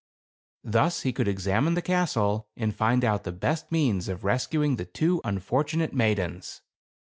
Thus he could ex amine the castle, and find out the best means of rescuing the two unfortunate maidens.